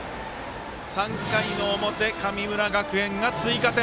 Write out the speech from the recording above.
３回の表、神村学園が追加点。